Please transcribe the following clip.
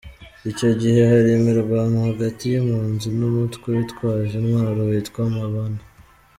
Icyo gihe hari imirwano hagati y’impunzi n’umutwe witwaje intwaro witwa Mabana.